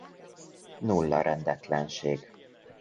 Nulla rendetlenség.